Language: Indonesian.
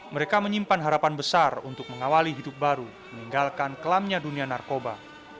mereka menyimpan harapan besar untuk mengawali hidup baru meninggalkan kelamnya dunia narkoba